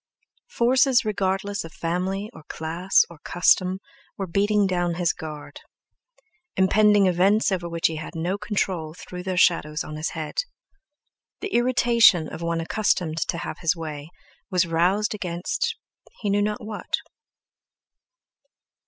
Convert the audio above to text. Forces regardless of family or class or custom were beating down his guard; impending events over which he had no control threw their shadows on his head. The irritation of one accustomed to have his way was roused against he knew not what.